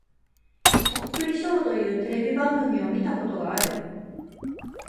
そっくりショーというテレビ番組を見たことがある。